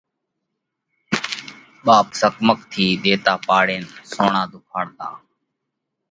ٻاپ سڪماق ٿِي ۮيوَتا پاڙينَ سوڻا ڌُوکاڙتا۔